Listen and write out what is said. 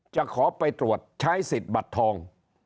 จะขอไปตรวจใช้สิทธิ์บัตรทอง